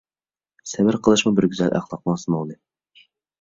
سەۋر قىلىشمۇ بىر گۈزەل ئەخلاقنىڭ سىمۋولى!